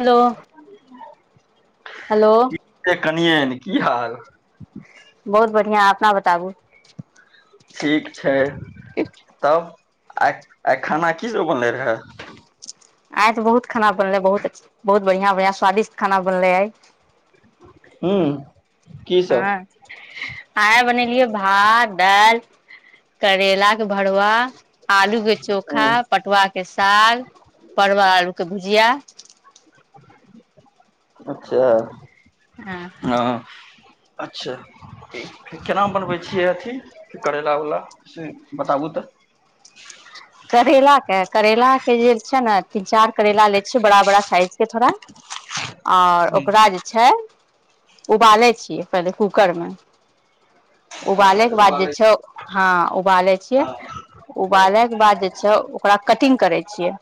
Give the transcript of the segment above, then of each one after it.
Hello hello ए कनियनि की हाल बहुत बढ़िआं अपना बहुत ठीक छै तब आ आइ खाना की सब बनलै रहै आइ त बहुत खानानलेै बहुत बहुत बढ़ियां बढ़िया स्वादिट खाना बनले हय हु हँ आय बनेलियै भात दाइय करैला के भरुव आलू के चोखा हूँ पटुआ के साग परबा आलू के भुजिया अच्छा हँ ह अच्छा केना बनबै छियै अथी करैेलला वला से बताबू तऽ करलाक के करैलाक के जे छै ने तीन चार करला ले छियै बड़ा बड़ा साइज के थोङा ह [unintelligible] आओर ओकरा जे छै उबालै छियै पहिले कूकर मे उबाले अच्छा के बाद जे उबालै छौ छियै हँ उबाले छियै हँ उबाले के बाद कटिंग करै छ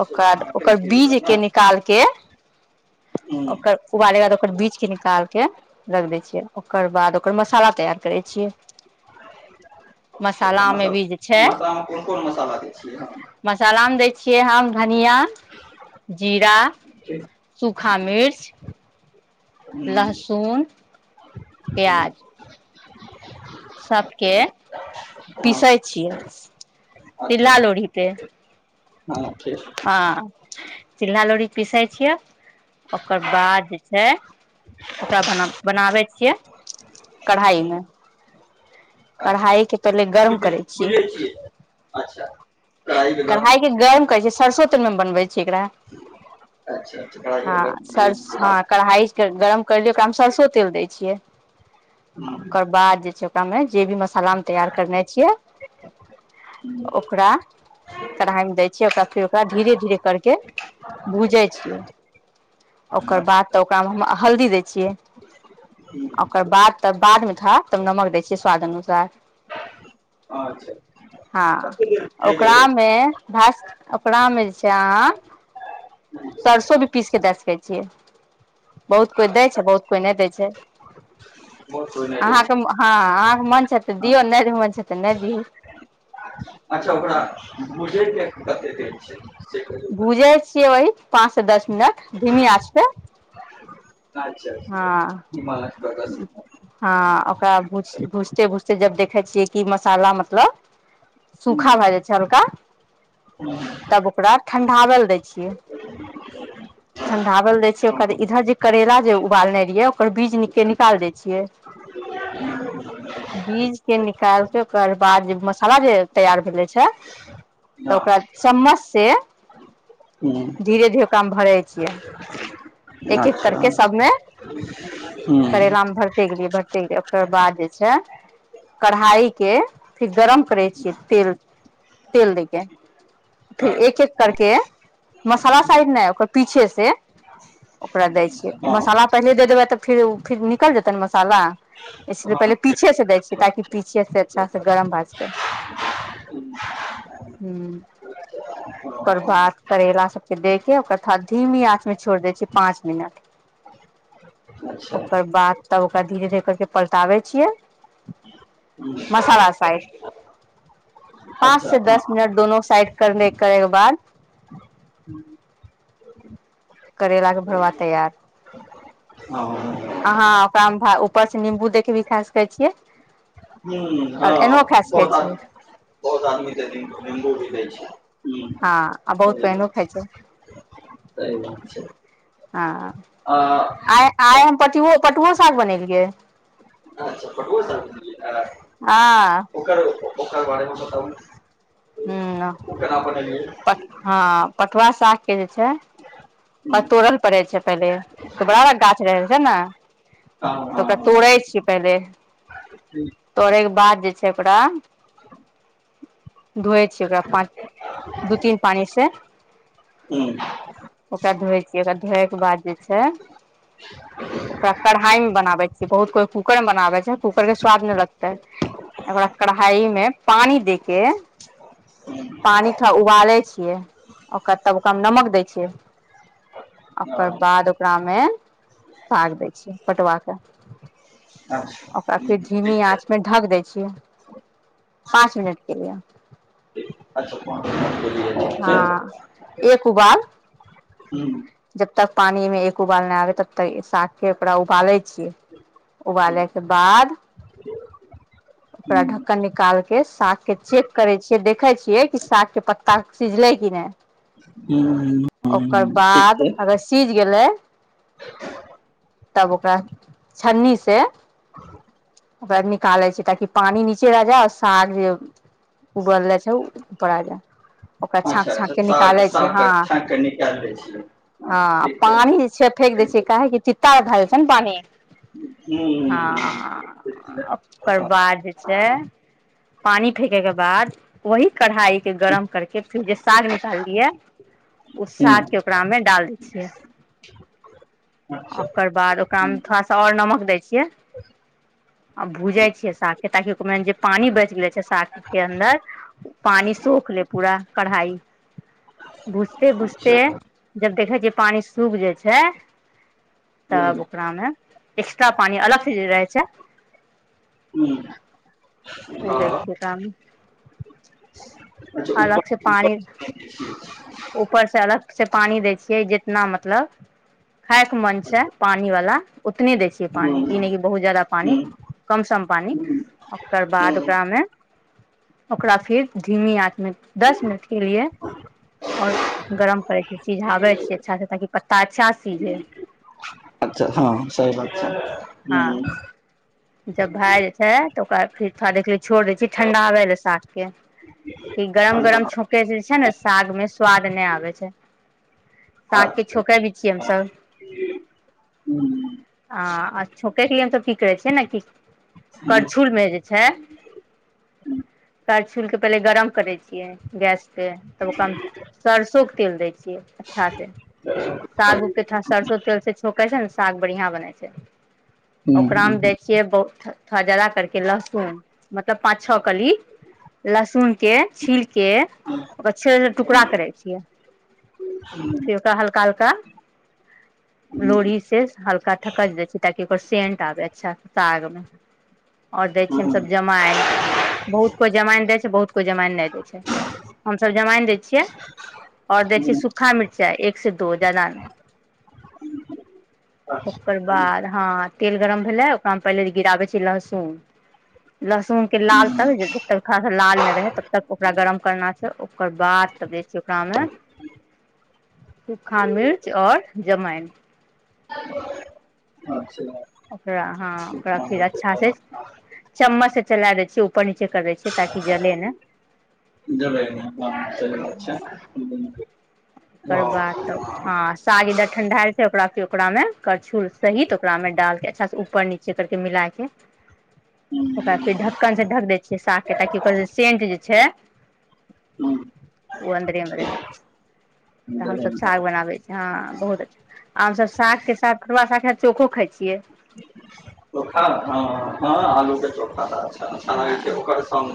ओ काटै ओकर छियै बिज ओकरा के ने निकाल के हूँ ओकर उबाले बाद ओकर बीच के निकाल के रख दै छियै ओकर बाद ओकर मसाला तैयार करै छियै अच्छा मसालामे मसा भीजे छै मसालामे कोन कोन मसाला दै छलियै ह मसालामे दै छियै हम धनिया जीरा जी सुखा मिर्च हूँ लहसुन प्याज सबके हँ पीसे छियै शिला लोढ़ी पे ठ हँ चिल्हा लोड़ी पीसे छियए ओकर बाद छै ओकरा बना बनाबै छियै कढ़ाई मे चछा कढ़ाई के पहिले गरम ब करै छियै बुझै छिय अच्छा कढ़ाई वगैरह गरम करै छिय सरसो तेल मे बनबै छिय एकरा अच्छा अच्छा कढ़ाइ गरम करलियै ओकरामे सरसो तेल दै छियै ओकर बाद जे छै तमे जे भी मसाला मे तैयार करने छियै ओकरा कढ़ाइ मे दै छियै ओकरा फेर ओकरा धीरे धीरे करके भूजै छियै ओकर बाद तऽ ओकरामे हम हल्दी दै छियै ओकर बाद तब बादमेठा तब नमक दै छियै स्वाद अनुसार अच्छा हँ कते देर भुजै के रहै छै ओकरामे भ ओकरामे जे छै अहाँ सरसो भी पीस के दए सकै छियै बहुत कोइ दै छै बहुत कोइ नहि दै छै मोट होयनाइ रहै अहाँके छै हँ अहाँके मन छै तऽ हाँ, दियौ नहि मन छै तऽ नहि दियौ अच्छा ओकरा बुझे के कते देत छै से कहियौ तऽ भूझै छियै [unintelligible] पाँच से दस मिनट धीमी आंच पे अच्छा हँ अच्छा [unintelligible] हँ ओकरा भूझ भूझते भूझते जब देखे छियै कि मसाला मतलब सूखा भए जाइ छै हल्का हू तब ओकरा ठण्ढाबल दए छियै ठंडावल दै छिय ओकराद अच्छा इधर जे करेला जे उबालने रहियै ओकर बीज नि के निकाल दै छियै बीज के निकाल ओकर बाद जे मसाला जे तैयार भेलेय छै ह बस से हूं धीरे धीरे काम भरै छियै एक एक अच्छा करके सबमे हूं करैला मे भरते गेलियै भरते गेलियै ओकर बाद जे छै कढ़ाइ के फिर गरम करै छियै तेल तेल दै के फिर अच्छा एक एक करके मसाला साइड नै ओकर पीछे से ओकरा दै छियै मसाला पहिले दे देबै तऽ फेर फिर निकल जेतै ने मसाला इसलि पहिले पीछेसँ दै छियै ताकि पीछेसँ अच्छासँ गरम भए जेतय [inaudible] हं पर भात करेला सबके दे के ओकरा थाद धीमी आँच मे छोड़ देय छ पाँच मिनट ओकर बाद तब ओकरा धीरे धीरे कर कऽ पलटाबै छियै मसाला साइड [inaudible] पाँच से हँ दस मिनट दोनो साइड करने करे के बाद करेला के भरवा तैयार हँ अहाँ ओकरा मे ऊपर से निम्बू देख के भी खा सकै छियै हुँ और एनो खा सकय छिय [unintelligible] निम्बू [unintelligible] हँ आ बहुत [unintelligible] खाइ छै सही बात छै हां आ आइ आइ हम पटु पटुओ साग बनेलियै पटूओ साग खेलिहया हँ [unintelligible] हुं ओ केना बनेलियै प हँ पटुआ सागके जे छै हँ पतोड़ल पड़े छै पहिले तऽ बड़ा बड़ा गाछ हो जाय छै ने हँ तऽ ओकरा हँ तोड़ै छियै पहिले तोड़ैके बाद जे छै ओकरा धोए छी ओकरा पाँच दू तीन पानी से हूं ओकरा धोइ छियै ओकरा धोएके बाद जे छै ओकरा कढ़ाई मे बनाबे छियै बहुत कोइ कूकर में बनाबे छै कूकर के स्वाद नहि लगते ओकरा कढ़ाई मे पानी दे के हँ पानि थोड़ा उबालै छियै ओकरा तब ओकरा हम नमक देय छियै ओकर बाद ओकरामे साग दै छियै पटुवा के अच्छा ओकरा फेर झिमी आँच मे ढक दै छियै पाँच मिनट के लिए अच्छा को [inaudible] हँ एक उ बार हू जबतक पानी में एक उबाल नहि आबे तबतक साथे ओकरा उबाले के छीये उबालै के बाद ओकरा ढक्कन निकाल के साग के चेक करे छिय देखे छियै कि साग के पत्त साग सिझले की नहि ओकर ठीक छै बादअगर सीझ गेलै तब ओकरा छन्नी से [inaudible] ओकरा निकालै छै ताकि पानि नीचे रह जाय आर साग जे ओ बनले छै उपर आ जा ओकरा छाँट अच्छा छाँट अच्छा के साग निकालै छियै साग हँ छानि कऽ निकालि दै छियै हँ ठीक छै पानि जे छै फेेक दै छियै काहेेक चिता भए जाइ छै ने पानि हूँ हँ हूँ ओकर बाद जे छै पानि फेकयके बाद ओही कढ़ाई के गर्म करके फेर जे साग निकालियै ओ हूँ साग के कपड़ा मे डाल दै छियै अच्छा ओकर बाद ओकरामे थोड़ा सा आओर नमक देय छियै आ भुजय छियै साग के ताकि ओमे जे पानि बच गेले छै साग के अन्दर पानि सोख ले पूरा कढ़ाई भुजते भुजते अच्छा जब देखे छियै पानि सूख जाइ छै हुँ तब ओकरा मे एक्स्ट्रा पानि अलग से जे रहय छै हुँ हँ ताम अच्छा ऊपर अलग छै ऊपर पानि ऊपर से अलग से पानी दै छियै जितना मतलब खाय के मन छै पानि वाला उतने दै छियै पानि हुँ ई नहि बहुत ज्यादा पानि हुँ कम सम पानि हुँ ओकर बाद हुँ ओकरामे ओकरा फेर धीमी आठमे दस मिनट के लिए आओर गरम करै छी सिझाबै छी अच्छा सँ ताकि पत्ता [unintelligible] अच्छाँ सीझे अच्छा हँ सही बात छै हँ हूँ जब भए जाइ छै त ओकरा फेर थोड़ा देरकेलिय छोड़ि दै छियै ठण्डा बै लए साग के कि गरम हुँ गरम छोंके जे छै ने साग में स्वाद नहि आबे छै साग के छोके भी छी हम सब आ छौके की हमसब की करै छीयै ने करछुल मे जेत छै करछुल के पहिले गरम करै छियै गैस पे तब ओकरा मे सरिसो केँ तेल दै छियै अच्छा से साग उग केँ थ सरसो तेल से छौक छै नऽ साग बढ़िया बने छै ओकरा मे हुँ दे से बहुत जादा करकेँ लहसुन मतलब पाँच छ कली लहसुन केँ छील केँ ओक छ टुकड़ा करै छियै फेर ओकरा हल्का हलका हुँ लोढ़ीसे हल्का थकचि दै छिये ताकि ओकर सेंट आबै अच्छा से सागमे आओर दै छियै हुँ हमसभ जमाइन बहुत कोइ जमाइन दै छै बहुत कोइ जमाइन नहि दै छै हम सब जमाइन दय छियै और दय छीयै हुँ सूखा मिर्चाई एक से दो ज्यादा नै [inaudible] अच्छा ओकर बाद हँ तेल गरम भेलै ओकरा मे पहिले गिराबे छिये लहसुन लहसुन केँ लाल हुँ तक जबतक खासा लाल नहि रहे तबतक ओकरा गरम करना छै ओकर बाद तब दैय छिये ओकरा मे सूखा मिर्च और जमाइन [unintelligible] अच्छा ओकरा ह ओकरा फिर अच्छा से चम्मच से चला देै छिये ऊपर नीचे कऽ दै छी [unintelligible] ओकर बाद तब हँ साग इधर ठण्डाइ छै ओकरा फिर ओकरामे करछुल सहित ओकरामे डालिककेँ अच्छासँ उपर नीचे करिकेँ मिलाकेँ [inaudible] ओकरा फेर ढक्कनसँ ढक दै छियै साग केँ ताकि ओकर सेंट जे छै हूँ उ अन्दरे रहै तऽ हमसब साग बनाबे छी हँ बहुत अच्छा आ हम सभ साग केँ साथ [unintelligible] चोखो खाइ छियै चोखा हँ हँ आलू केँ चोखा तऽ खाई छै हँ ओकर संग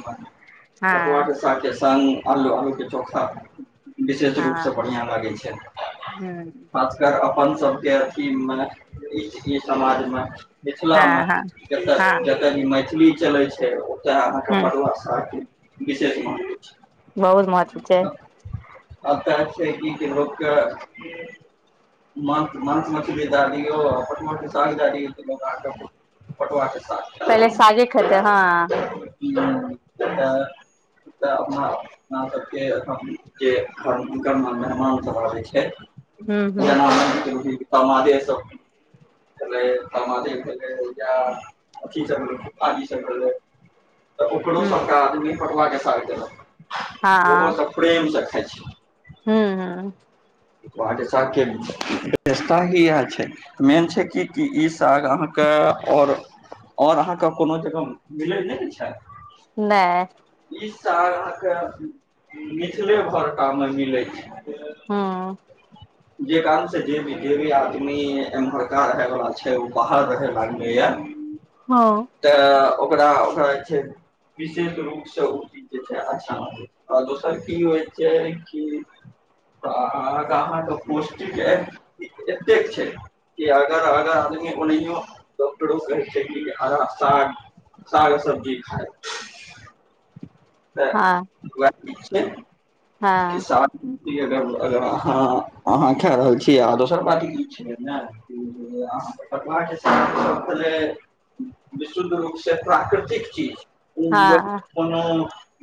हँ मे पहुआ हँ केँ साग केँ संग आलू आलू केँ चोखा विशेष रूप सँ हूँ बढ़िया लागे छै हँ अगर अपन सब केँ अथी मे ई समाज मे मिथिला मे हँ जेतऽ हँ जे कियाकी मैथिली चलै छै ओतऽ अहाँकेँ हूँ पटुआ सागकेँ विशेष माहत्व छै बहुत महत्व छै आब तहे छी की लोक कऽ माछ मांस मछली द दियो आ पटुआ केँ साग दै दियो तऽ लोक अहाँकेँ तऽ पटुआ केँ साग खैत पहिले सागे खेतै हँ हुँ खैत सबटा अपना हमरा [unintelligible] सबके जे मेहमान सब रहै छै हूँ हूँ [unintelligible] सब [unintelligible] समाने भेलैया अथी सब फुफा जी सब भेलै तऽ ओकरो हूँ सबटा आदमी पटवा केँ साथ देलक ओहो हँ सब प्रेमसँ खाइ छै हूँ हूँ मिथलाकेँ साग केँ [unintelligible] इहै छै तऽ मेन छै कि कि ई साग अहाँकेँ आओर और अहाँकेँ कोनो जगह मिलै नहि छै न। ईस अहाँकेँ मिथिले भरटा मे मिले छै हँ। जे काम से जे भी जे भी आदमी एमहरका रहै वला छै ओ बाहर रहे लागल ये हँ। तऽ ओकरा ओकरा जे छै विशेष रूपसँ ओ चीज जे छै, अच्छा। छै आ दोसर कि होइ छै कि अहाँकेँ अहाँकेँ पौष्टिक एतेक छै। आ ओ डक्टरो हरा साग, साग सब्जी ख तऽ हँ उएह छै हँ किसान अहाँ खा रहल छै आ दोसर बात ई छै, ने अहाँ पटुआके साग विशुद्ध रूप से प्राकृतिक चीज ओ हँ कोनो।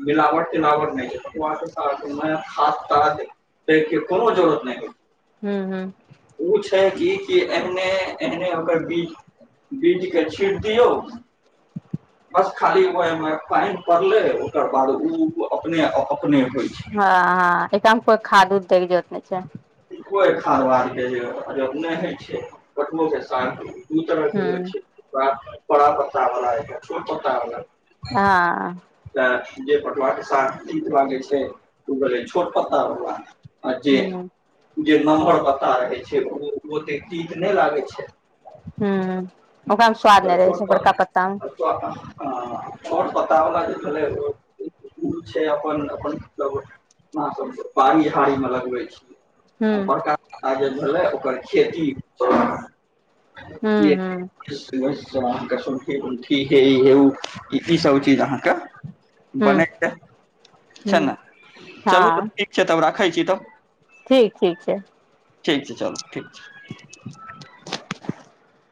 मिलावट तिला नहि छै वट नहि छै ख पै कोनो जरुत नै हू, हू। ओ छै, कि एहने एहने ओकर बीच बीज के छीट दियौ। बस खाली ओहिमे पानि पड़ले एकरा बाद आ अपने अपने होइ छै। ह, ह एक आम कोइ खाद दै जरूरत नहि छै। कोइ खान आरके जे नहि होइ छै कनो सादू तरह के होइ हूँ छै एकटा बड़ा पत्ता वाला एकटा छोट पत्ता वाला हँ। तऽ जे पटव सा लै छै ओ भेलै छोट पत्ता वाला आजे हूँ ओ जे नम्बर पता रहै छै ओ ओते चीक नहि लागै छै। हूँ ओक छोट अथि छोट पता होला जे ओ छै, अपन अपन मतलब पड़ी झड़ीमे लगबे छी हूँ बड़का बड़का जे भेलै ओकर खेती हू, कि हू। उठी हे हे ओ [unintelligible] ईसभ चीज अहाँकेँ बनय छै ह, ने चलू ह। तऽ ठीक छै तब राखै छी तब ठीक, ठीक छै। ठीक छी, चलू ठीक छै [inaudible]